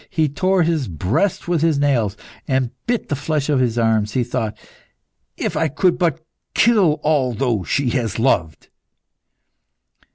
He tore his breast with his nails, and bit the flesh of his arms. He thought "If I could but kill all those she has loved!"